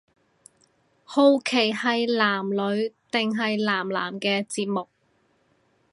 好奇係男女定係男男嘅節目